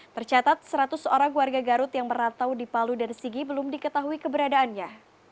tercatat seratus orang warga garut yang meratau di palu dan sigi belum diketahui keberadaannya